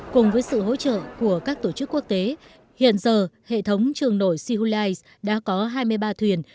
cùng với sự hỗ trợ của các tổ chức quốc tế hiện giờ hệ thống trường nổi siêu lai đã có hai mươi ba thuyền